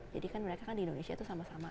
jadi mereka di indonesia sama sama